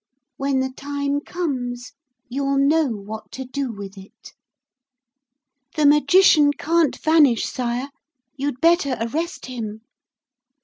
When the time comes you'll know what to do with it. The Magician can't vanish, Sire. You'd better arrest him.'